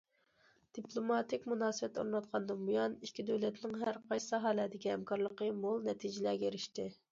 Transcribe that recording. دىپلوماتىك مۇناسىۋەت ئورناتقاندىن بۇيان، ئىككى دۆلەتنىڭ ھەرقايسى ساھەلەردىكى ھەمكارلىقى مول نەتىجىلەرگە ئېرىشتى.